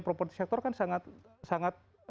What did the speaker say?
properti sektor kan sangat